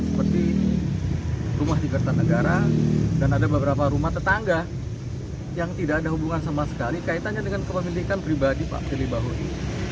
seperti rumah di kertanegara dan ada beberapa rumah tetangga yang tidak ada hubungan sama sekali kaitannya dengan kepemilikan pribadi pak firly bahuri